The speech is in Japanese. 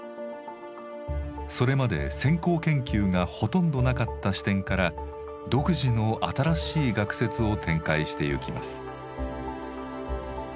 それまで先行研究がほとんどなかった視点から独自の新しい学説を展開してゆきます。